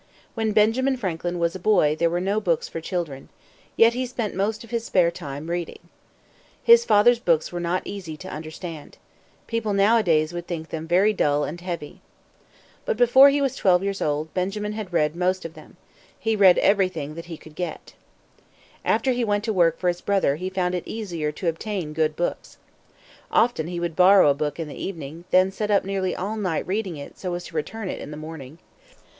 When Benjamin Franklin was a boy there were no books for children. Yet he spent most of his spare time in reading. His father's books were not easy to understand. People nowadays would think them very dull and heavy. [Illustration: Birthplace of Franklin Boston U.S.] [Illustration: Press at which Franklin worked.] But before he was twelve years old, Benjamin had read the most of them. He read everything that he could get. After he went to work for his brother he found it easier to obtain good books. Often he would borrow a book in the evening, and then sit up nearly all night reading it so as to return it in the morning.